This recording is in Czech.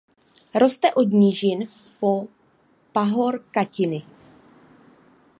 Roste od nížin po pahorkatiny.